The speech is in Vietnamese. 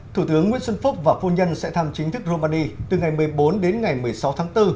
thủ tướng nguyễn xuân phúc và phu nhân sẽ thăm chính thức romania từ ngày một mươi bốn đến ngày một mươi sáu tháng bốn